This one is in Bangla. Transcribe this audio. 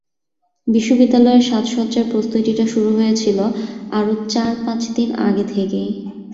বিশ্ববিদ্যালয়ের সাজসজ্জার প্রস্তুতিটা শুরু হয়েছিল আরও চার পাঁচ দিন আগে থেকেই।